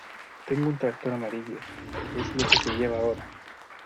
Tengo un tractor amarillo, que es lo que se lleva ahora.